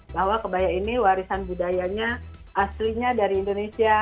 bahwa kebaya ini warisan budayanya aslinya dari indonesia